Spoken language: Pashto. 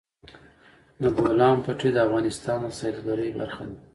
د بولان پټي د افغانستان د سیلګرۍ برخه ده.